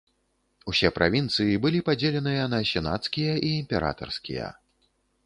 Усе правінцыі былі падзеленыя на сенацкія і імператарскія.